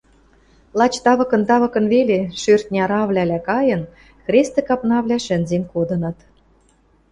лач тавыкын-тавыкын веле, шӧртньӹ аравлӓла кайын, хрестӹ капнавлӓ шӹнзен кодыныт...